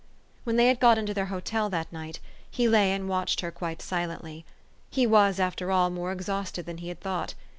When they had got into their hotel that night, he lay and watched her quite silently. He was, after all, more exhausted than he had thought.